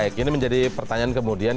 baik ini menjadi pertanyaan kemudian